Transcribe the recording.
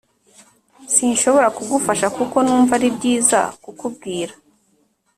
sinshobora kugufasha-kuko numva ari byiza kukubwira